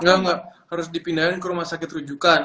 enggak enggak harus dipindahin ke rumah sakit rujukan